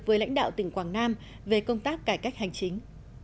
với lãnh đạo tỉnh quảng nam về công tác cải cách hành chính